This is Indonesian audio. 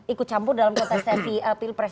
ikut campur dalam kontestasi pilpres